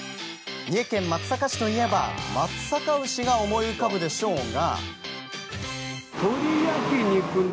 三重県松阪市といえば松阪牛が思い浮かぶでしょうが。